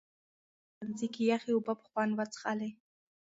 هغه په پخلنځي کې یخې اوبه په خوند وڅښلې.